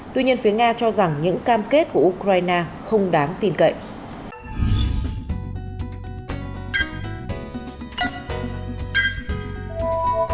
tuy nhiên phía nga cho rằng những cam kết của ukraine không đáng tin cậy